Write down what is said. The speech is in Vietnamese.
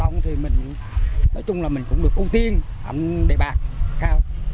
nói chung là mình cũng được ưu tiên ẩm đầy bạc cao